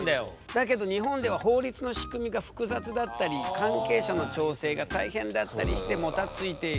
だけど日本では法律の仕組みが複雑だったり関係者の調整が大変だったりしてもたついている。